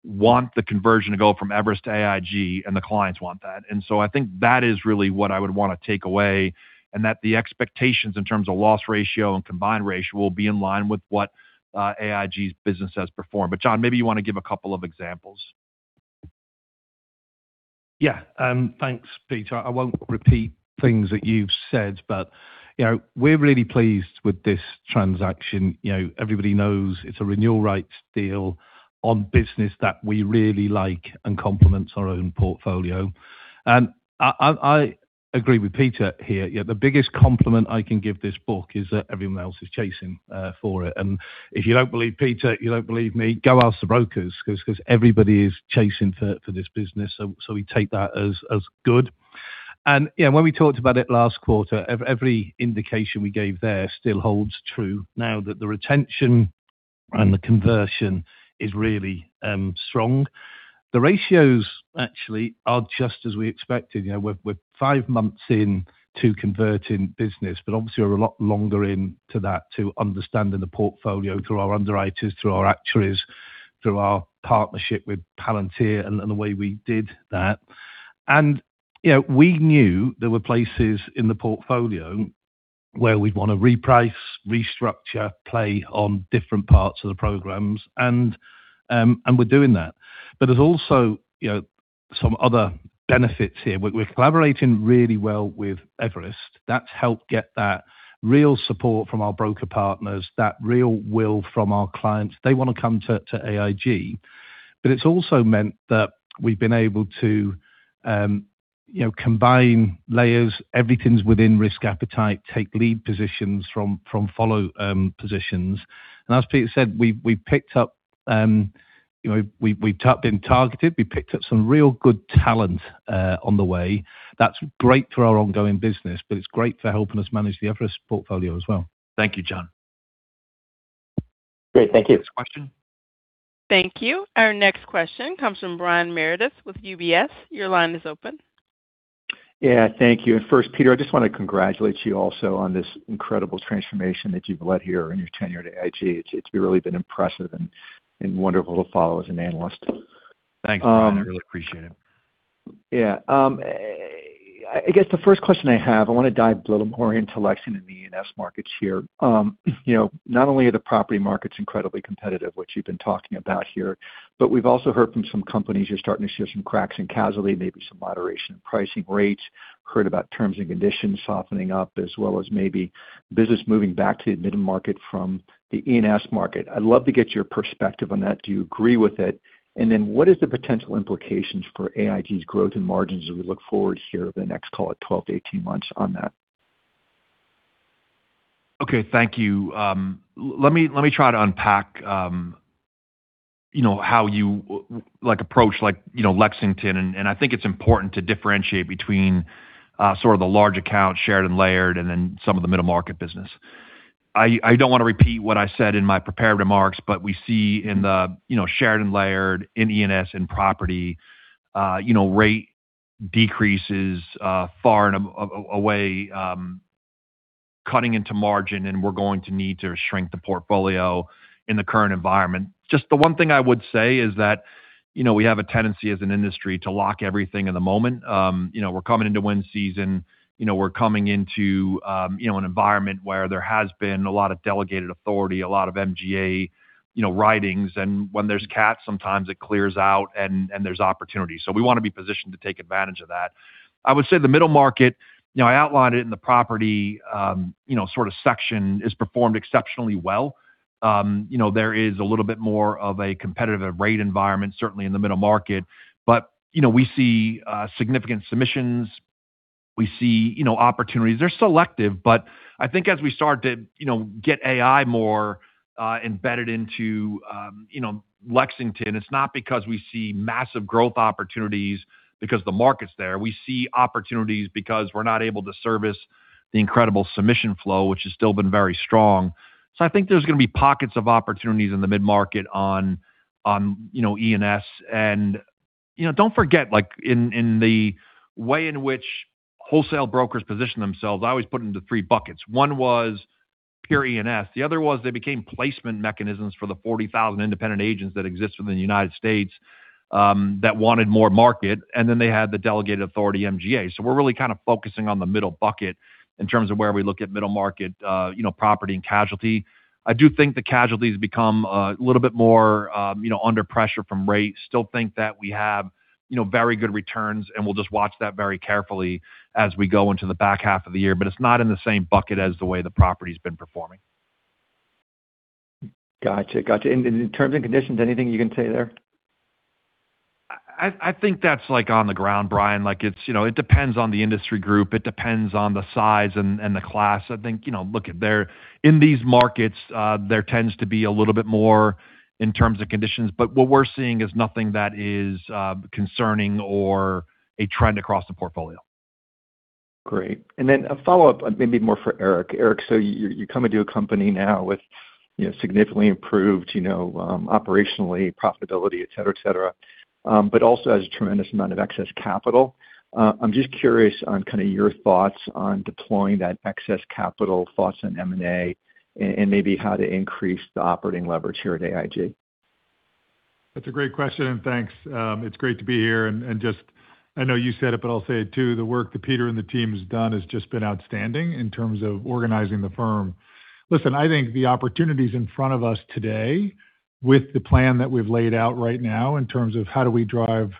want the conversion to go from Everest to AIG, and the clients want that. I think that is really what I would want to take away, and that the expectations in terms of loss ratio and combined ratio will be in line with what AIG's business has performed. Jon, maybe you want to give a couple of examples. Thanks, Peter. I won't repeat things that you've said, but, you know, we're really pleased with this transaction. You know, everybody knows it's a renewal rights deal on business that we really like and complements our own portfolio. I, I agree with Peter here. The biggest compliment I can give this book is that everyone else is chasing for it. If you don't believe Peter, you don't believe me, go ask the brokers because everybody is chasing for this business. So we take that as good. When we talked about it last quarter, every indication we gave there still holds true now that the retention and the conversion is really strong. The ratios actually are just as we expected. We're five months in to converting business, but obviously we're a lot longer into that to understanding the portfolio through our underwriters, through our actuaries, through our partnership with Palantir and the way we did that. You know, we knew there were places in the portfolio where we'd want to reprice, restructure, play on different parts of the programs and we're doing that. There's also, you know, some other benefits here. We're collaborating really well with Everest. That's helped get that real support from our broker partners, that real will from our clients. They want to come to AIG. It's also meant that we've been able to, you know, combine layers, everything's within risk appetite, take lead positions from follow positions. As Peter said, we picked up, you know, we've been targeted. We picked up some real good talent on the way. That's great for our ongoing business, but it's great for helping us manage the Everest portfolio as well. Thank you, Jon. Great. Thank you. Next question. Thank you. Our next question comes from Brian Meredith with UBS. Your line is open. Yeah, thank you. First, Peter, I just want to congratulate you also on this incredible transformation that you've led here in your tenure at AIG. It's really been impressive and wonderful to follow as an analyst. Thanks, Brian. I really appreciate it. Yeah. I guess the first question I have, I want to dive a little more into Lexington and the E&S markets here. You know, not only are the property markets incredibly competitive, which you've been talking about here, but we've also heard from some companies you're starting to see some cracks in casualty, maybe some moderation in pricing rates, heard about terms and conditions softening up, as well as maybe business moving back to the middle market from the E&S market. I'd love to get your perspective on that. Do you agree with it? What is the potential implications for AIG's growth and margins as we look forward here over the next, call it, 12-18 months on that? Okay. Thank you. Let me, let me try to unpack, you know, how you, like, approach, like, you know, Lexington. I think it's important to differentiate between, sort of the large account, shared and layered, and then some of the middle market business. I don't want to repeat what I said in my prepared remarks, but we see in the, you know, shared and layered in E&S and property, you know, rate decreases, far and away, cutting into margin, and we're going to need to shrink the portfolio in the current environment. Just the one thing I would say is that, you know, we have a tendency as an industry to lock everything in the moment. You know, we're coming into wind season. You know, we're coming into, you know, an environment where there has been a lot of delegated authority, a lot of MGA, you know, writings. When there's CAT, sometimes it clears out and there's opportunities. We want to be positioned to take advantage of that. I would say the middle market, you know, I outlined it in the property, you know, sort of section, has performed exceptionally well. You know, there is a little bit more of a competitive rate environment, certainly in the middle market. You know, we see significant submissions. We see, you know, opportunities. They're selective, but I think as we start to, you know, get AI more embedded into, you know, Lexington, it's not because we see massive growth opportunities because the market's there. We see opportunities because we're not able to service the incredible submission flow, which has still been very strong. I think there's going to be pockets of opportunities in the mid-market on, you know, E&S. You know, don't forget, like, in the way in which wholesale brokers position themselves, I always put them into three buckets. One was pure E&S. The other was they became placement mechanisms for the 40,000 independent agents that exist within the U.S. that wanted more market, and then they had the delegated authority MGA. We're really kind of focusing on the middle bucket in terms of where we look at middle market, you know, property and casualty. I do think the casualty has become a little bit more, you know, under pressure from rates. Still think that we have, you know, very good returns, and we'll just watch that very carefully as we go into the back half of the year. It's not in the same bucket as the way the property's been performing. Gotcha. Gotcha. In terms and conditions, anything you can say there? I think that's, like, on the ground, Brian. It's, you know, it depends on the industry group. It depends on the size and the class. I think, you know, look at there. In these markets, there tends to be a little bit more in terms of conditions, but what we're seeing is nothing that is concerning or a trend across the portfolio. Great. A follow-up, maybe more for Eric. Eric, you come into a company now with, you know, significantly improved, you know, operationally profitability, et cetera, et cetera, but also has a tremendous amount of excess capital. I'm just curious on kind of your thoughts on deploying that excess capital, thoughts on M&A, and maybe how to increase the operating leverage here at AIG. That's a great question, and thanks. It's great to be here and I know you said it, but I'll say it too. The work that Peter and the team has done has just been outstanding in terms of organizing the firm. Listen, I think the opportunities in front of us today with the plan that we've laid out right now in terms of how do we drive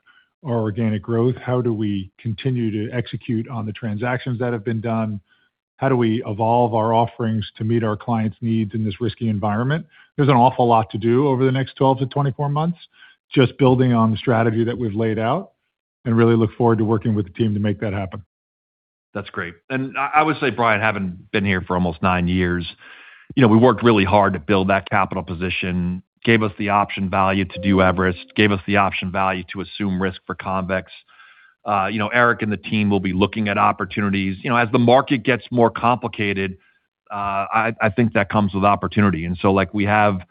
our organic growth, how do we continue to execute on the transactions that have been done, how do we evolve our offerings to meet our clients' needs in this risky environment, there's an awful lot to do over the next 12-24 months just building on the strategy that we've laid out, and really look forward to working with the team to make that happen. That's great. I would say, Brian, having been here for almost nine years, you know, we worked really hard to build that capital position, gave us the option value to do Everest, gave us the option value to assume risk for Convex. You know, Eric and the team will be looking at opportunities. You know, as the market gets more complicated, I think that comes with opportunity. Like, we have,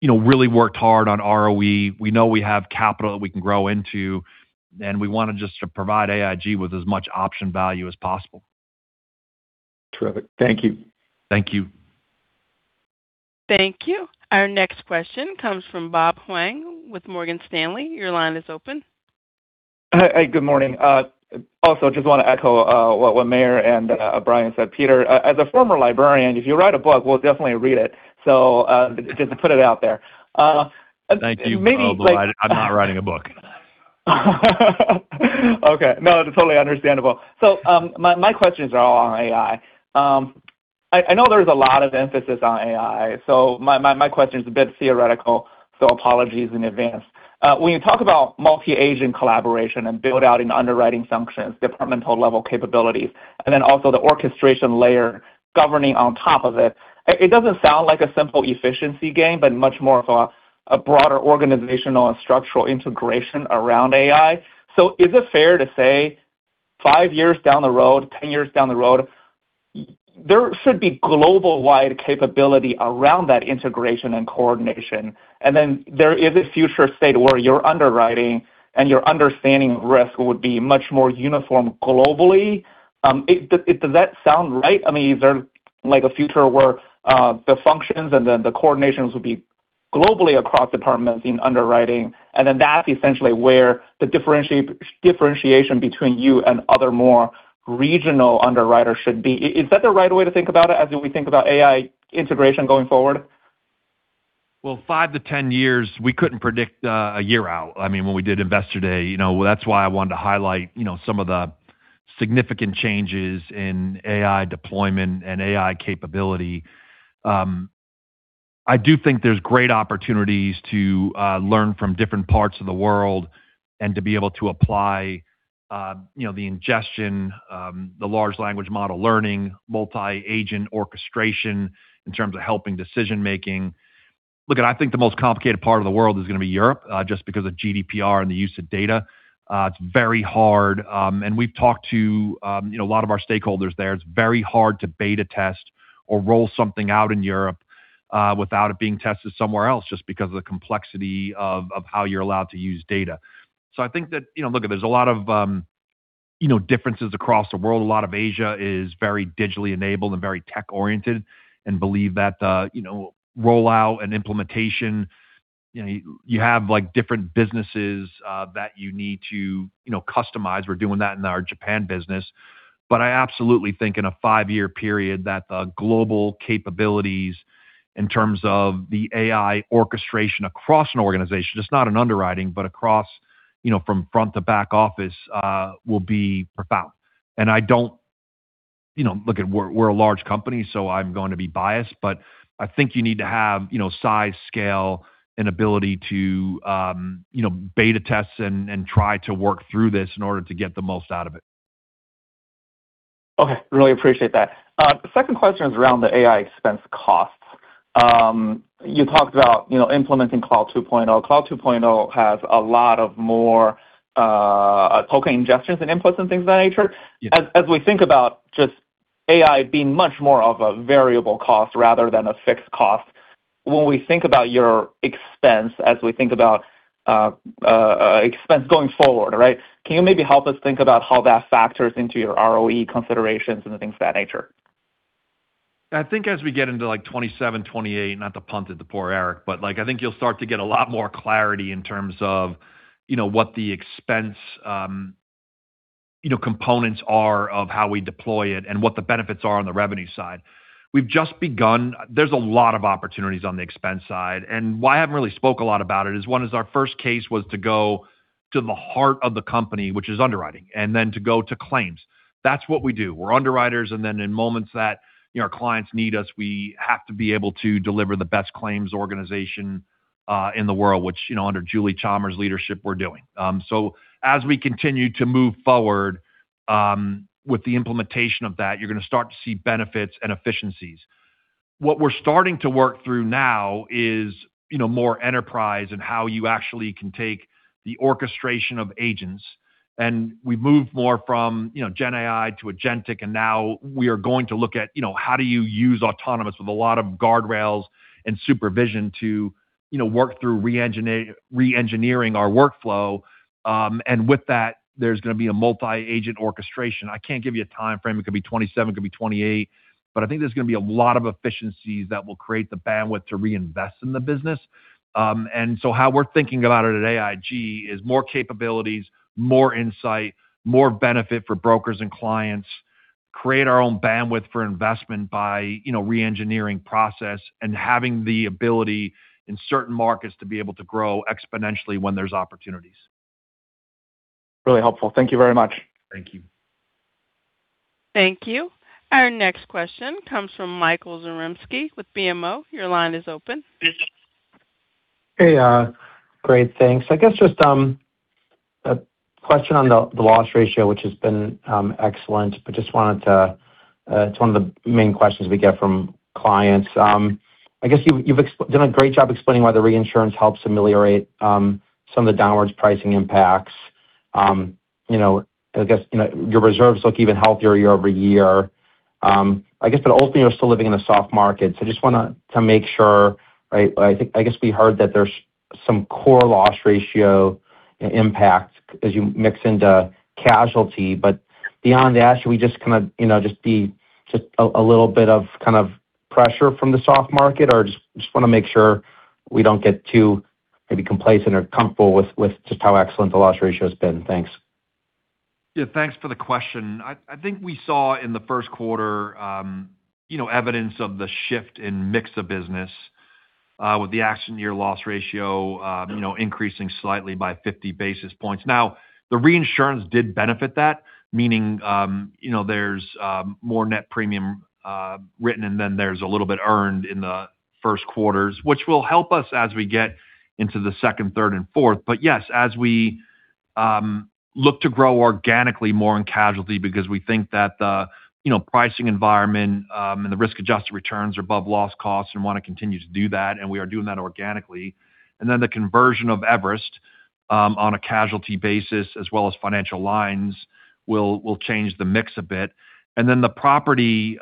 you know, really worked hard on ROE. We know we have capital that we can grow into, and we want to just to provide AIG with as much option value as possible. Terrific. Thank you. Thank you. Thank you. Our next question comes from Bob Huang with Morgan Stanley. Your line is open. Hi. Good morning. also just want to echo, what Meyer Shields and Brian Meredith said. Peter Zaffino, as a former librarian, if you write a book, we'll definitely read it. So, just to put it out there. Thank you. Maybe like- I'm not writing a book. Okay. No, it's totally understandable. My, my questions are all on AI. I know there's a lot of emphasis on AI, so my question is a bit theoretical, so apologies in advance. When you talk about multi-agent collaboration and build out in underwriting functions, departmental level capabilities, and then also the orchestration layer governing on top of it doesn't sound like a simple efficiency gain, but much more of a broader organizational and structural integration around AI. Is it fair to say five years down the road, 10 years down the road, there should be global wide capability around that integration and coordination, and then there is a future state where your underwriting and your understanding of risk would be much more uniform globally? Does that sound right? I mean, is there like a future where the functions and then the coordinations would be globally across departments in underwriting, then that's essentially where the differentiation between you and other more regional underwriters should be? Is that the right way to think about it as we think about AI integration going forward? Well, five to 10 years, we couldn't predict a year out. I mean, when we did Investor Day, you know, that's why I wanted to highlight, you know, some of the significant changes in AI deployment and AI capability. I do think there's great opportunities to learn from different parts of the world and to be able to apply, you know, the ingestion, the large language model learning, multi-agent orchestration in terms of helping decision-making. Look, I think the most complicated part of the world is going to be Europe, just because of GDPR and the use of data. It's very hard. We've talked to, you know, a lot of our stakeholders there. It's very hard to beta test or roll something out in Europe, without it being tested somewhere else just because of the complexity of how you're allowed to use data. I think that, you know, look, there's a lot of, you know, differences across the world. A lot of Asia is very digitally enabled and very tech-oriented, and believe that the, you know, rollout and implementation, you know, you have like different businesses, that you need to, you know, customize. We're doing that in our Japan business. I absolutely think in a five-year period that the global capabilities in terms of the AI orchestration across an organization, it's not an underwriting, but across, you know, from front to back office, will be profound. You know, look, we're a large company, so I'm going to be biased, but I think you need to have, you know, size, scale, and ability to, you know, beta test and try to work through this in order to get the most out of it. Okay. Really appreciate that. The second question is around the AI expense costs. You talked about, you know, implementing Claude 2.0. Claude 2.0 has a lot of more token ingestions and inputs and things of that nature. Yeah. As we think about just AI being much more of a variable cost rather than a fixed cost, when we think about your expense as we think about expense going forward, right? Can you maybe help us think about how that factors into your ROE considerations and the things of that nature? I think as we get into like 2027, 2028, not to punt at the poor Eric, I think you'll start to get a lot more clarity in terms of, you know, what the expense, you know, components are of how we deploy it and what the benefits are on the revenue side. We've just begun. There's a lot of opportunities on the expense side, why I haven't really spoke a lot about it is, one, is our first case was to go to the heart of the company, which is underwriting, and then to go to claims. That's what we do. We're underwriters, and then in moments that, you know, our clients need us, we have to be able to deliver the best claims organization in the world, which, you know, under Julie Chalmers' leadership, we're doing. As we continue to move forward with the implementation of that, you're going to start to see benefits and efficiencies. What we're starting to work through now is, you know, more enterprise and how you actually can take the orchestration of agents. We've moved more from, you know, Generative AI to agentic AI, and now we are going to look at, you know, how do you use autonomous with a lot of guardrails and supervision to, you know, work through reengineering our workflow. With that, there's going to be a multi-agent orchestration. I can't give you a timeframe. It could be 2027, it could be 2028, but I think there's going to be a lot of efficiencies that will create the bandwidth to reinvest in the business. How we're thinking about it at AIG is more capabilities, more insight, more benefit for brokers and clients, create our own bandwidth for investment by, you know, reengineering process and having the ability in certain markets to be able to grow exponentially when there's opportunities. Really helpful. Thank you very much. Thank you. Thank you. Our next question comes from Michael Zaremski with BMO. Your line is open. Hey, great, thanks. I guess just a question on the loss ratio, which has been excellent, but just wanted to, it's one of the main questions we get from clients. I guess you've done a great job explaining why the reinsurance helps ameliorate some of the downwards pricing impacts. You know, I guess, you know, your reserves look even healthier year-over-year. I guess but ultimately you're still living in a soft market, so just want to make sure, right, I guess we heard that there's some core loss ratio impact as you mix into casualty. Beyond that, should we just kind of, you know, just be a little bit of kind of pressure from the soft market? Just wanna make sure we don't get too maybe complacent or comfortable with just how excellent the loss ratio has been. Thanks. Thanks for the question. I think we saw in the Q1, you know, evidence of the shift in mix of business with the accident year loss ratio, you know, increasing slightly by 50-basis points. The reinsurance did benefit that, meaning, you know, there's more net premium written in than there's a little bit earned in the Q1, which will help us as we get into the second, third, and fourth. Yes, as we look to grow organically more in casualty because we think that the, you know, pricing environment and the risk-adjusted returns are above loss costs and want to continue to do that, and we are doing that organically. The conversion of Everest on a casualty basis as well as Financial Lines will change the mix a bit. The property,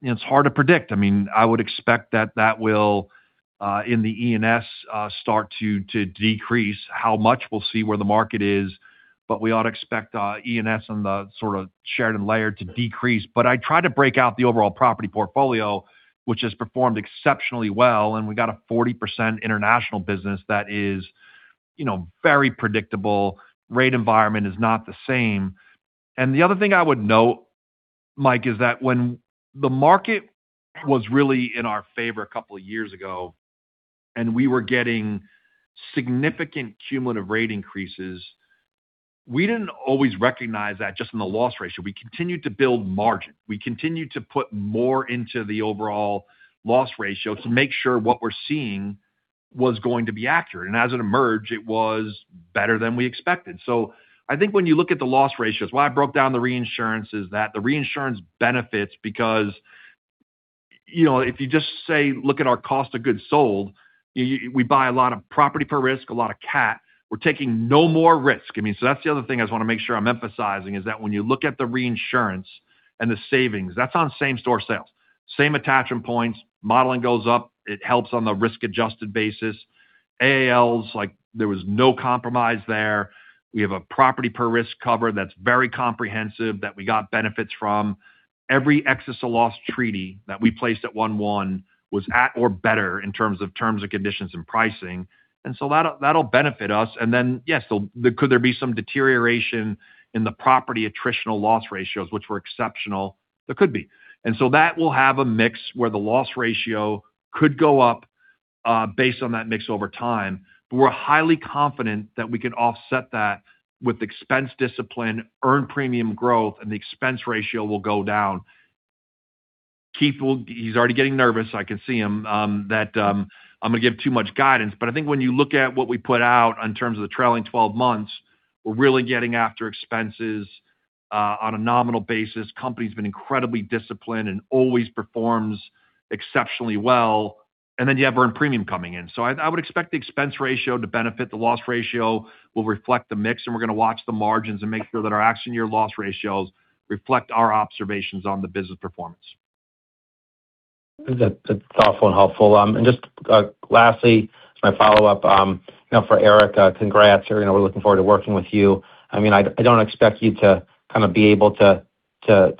it's hard to predict. I mean, I would expect that that will in the E&S start to decrease. How much, we'll see where the market is, but we ought to expect E&S and the sort of shared and layered to decrease. I try to break out the overall property portfolio, which has performed exceptionally well, and we got a 40% international business that is, you know, very predictable. Rate environment is not the same. The other thing I would note, Mike, is that when the market was really in our favor a couple of years ago, and we were getting significant cumulative rate increases, we didn't always recognize that just in the loss ratio. We continued to build margin. We continued to put more into the overall loss ratio to make sure what we're seeing was going to be accurate. As it emerged, it was better than we expected. I think when you look at the loss ratios, why I broke down the reinsurance is that the reinsurance benefits because, you know, if you just say, look at our cost of goods sold, we buy a lot of property per risk, a lot of CAT, we're taking no more risk. I mean, that's the other thing I just want to make sure I'm emphasizing, is that when you look at the reinsurance and the savings, that's on same-store sales. Same attachment points, modeling goes up, it helps on the risk-adjusted basis. AALs, like, there was no compromise there. We have a property per risk cover that's very comprehensive that we got benefits from. Every excess or loss treaty that we placed at 1/1 was at or better in terms of terms and conditions and pricing. That'll benefit us. Yes, could there be some deterioration in the property attritional loss ratios, which were exceptional? There could be. That will have a mix where the loss ratio could go up, based on that mix over time. We're highly confident that we can offset that with expense discipline, earned premium growth, and the expense ratio will go down. Keith. He's already getting nervous, I can see him, that I'm going to give too much guidance. I think when you look at what we put out in terms of the trailing 12 months, we're really getting after expenses on a nominal basis. Company's been incredibly disciplined and always performs exceptionally well. You have earned premium coming in. I would expect the expense ratio to benefit the loss ratio. We'll reflect the mix, and we're going towatch the margins and make sure that our accident year loss ratios reflect our observations on the business performance. That's thoughtful and helpful. Just, lastly, my follow-up, you know, for Eric, congrats. You know, we're looking forward to working with you. I mean, I don't expect you to kind of be able to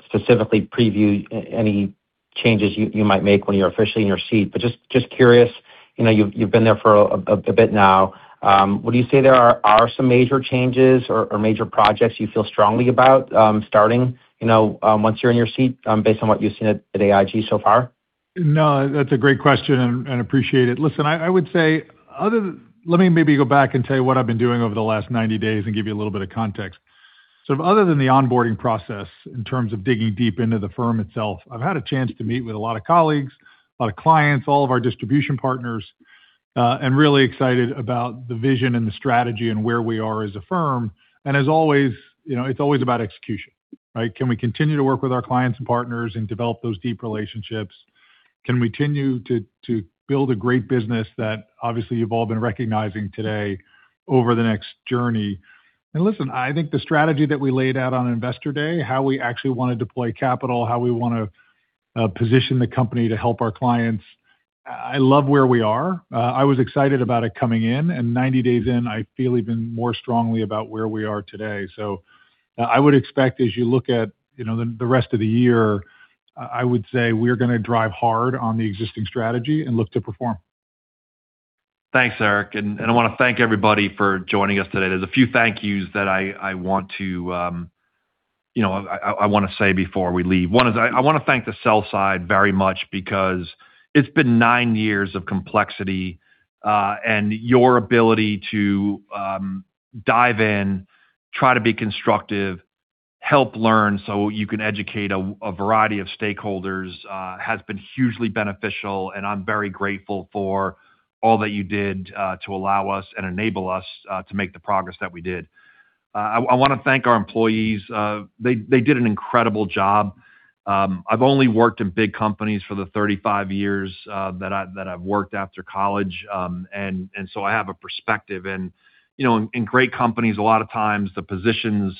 specifically preview any changes you might make when you're officially in your seat. Just curious, you know, you've been there for a bit now, would you say there are some major changes or major projects you feel strongly about, starting, you know, once you're in your seat, based on what you've seen at AIG so far? No, that's a great question, and appreciate it. Listen, I would say, let me maybe go back and tell you what I've been doing over the last 90 days and give you a little bit of context. Other than the onboarding process in terms of digging deep into the firm itself, I've had a chance to meet with a lot of colleagues, a lot of clients, all of our distribution partners, and really excited about the vision and the strategy and where we are as a firm. As always, you know, it's always about execution, right? Can we continue to work with our clients and partners and develop those deep relationships? Can we continue to build a great business that obviously you've all been recognizing today over the next journey? Listen, I think the strategy that we laid out on Investor Day, how we actually want to deploy capital, how we want to position the company to help our clients, I love where we are. I was excited about it coming in, and 90 days in, I feel even more strongly about where we are today. I would expect as you look at, you know, the rest of the year, I would say we're gonna drive hard on the existing strategy and look to perform. Thanks, Eric, and I wanna thank everybody for joining us today. There's a few thank yous that I want to, you know, say before we leave. One is I wanna thank the sell side very much because it's been nine years of complexity, and your ability to dive in, try to be constructive, help learn so you can educate a variety of stakeholders has been hugely beneficial, and I'm very grateful for all that you did to allow us and enable us to make the progress that we did. I wanna thank our employees. They did an incredible job. I've only worked in big companies for the 35 years that I've worked after college, and so I have a perspective. You know, in great companies, a lot of times the positions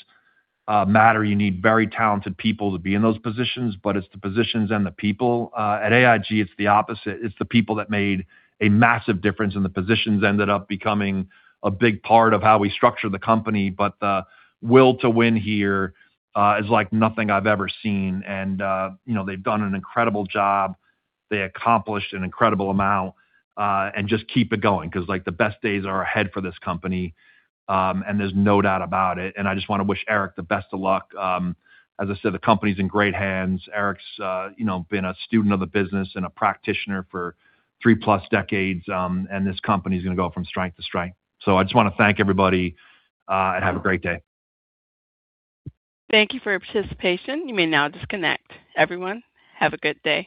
matter. You need very talented people to be in those positions, but it's the positions and the people. At AIG, it's the opposite. It's the people that made a massive difference, and the positions ended up becoming a big part of how we structure the company. The will to win here is like nothing I've ever seen. You know, they've done an incredible job. They accomplished an incredible amount. Just keep it going, because, like, the best days are ahead for this company, and there's no doubt about it. I just wanna wish Eric the best of luck. As I said, the company's in great hands. Eric's, you know, been a student of the business and a practitioner for three-plus decades, and this company's going to go from strength to strength. I just want to thank everybody and have a great day. Thank you for your participation. You may now disconnect. Everyone, have a good day.